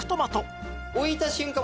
置いた瞬間